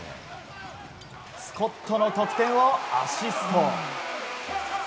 スコットの得点をアシスト。